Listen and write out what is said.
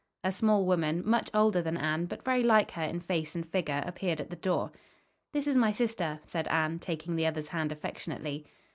A small woman, much older than Anne, but very like her in face and figure, appeared at the door. "This is my sister," said Anne, taking the other's hand affectionately.